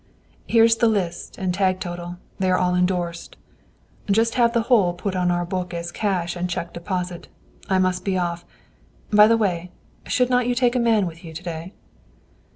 "Here's the list and tag total; they are all endorsed. "Just have the whole put on our book as cash and cheque deposit. I must be off! By the way, should you not take a man with you to day?"